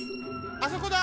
あそこだ！